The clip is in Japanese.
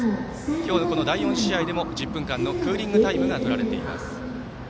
今日の第４試合でも１０分間のクーリングタイムがとられています。